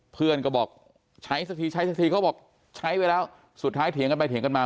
เพื่อนก็บอกใช้สักทีใช้สักทีเขาบอกใช้ไปแล้วสุดท้ายเถียงกันไปเถียงกันมา